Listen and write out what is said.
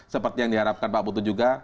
seperti yang diharapkan pak putu juga